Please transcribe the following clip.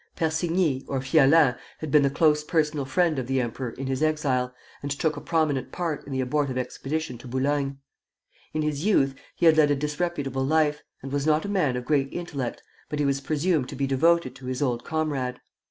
Persigny, or Fialin, had been the close personal friend of the emperor in his exile, and took a prominent part in the abortive expedition to Boulogne. In his youth he had led a disreputable life, and was not a man of great intellect, but he was presumed to be devoted to his old comrade.